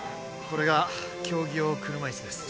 これが競技用車いすです